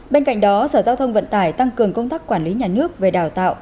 bên cạnh đó sở giao thông vận tải tăng cường công tác quản lý nhà nước về đào tạo